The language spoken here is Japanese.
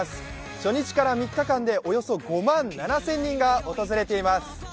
初日から３日間でおよそ５万７０００人が訪れています。